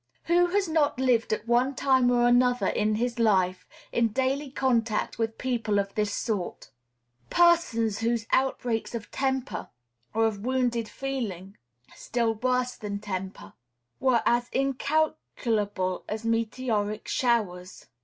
Who has not lived at one time or other in his life in daily contact with people of this sort, persons whose outbreaks of temper, or of wounded feeling still worse than temper, were as incalculable as meteoric showers?